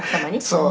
「そう。